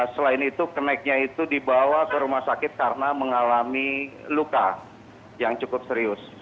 selain itu kenaiknya itu dibawa ke rumah sakit karena mengalami luka yang cukup serius